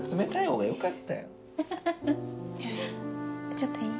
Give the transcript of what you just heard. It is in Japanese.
ちょっといい？